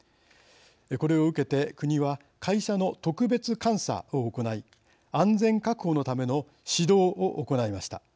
これを受けて国は会社の特別監査を行い安全確保のための指導を行いました。